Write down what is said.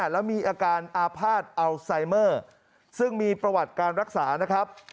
แล้วมีอาการอาภาษณ์อัลไซเมอร์ซึ่งมีประวัติการรักษานะครับ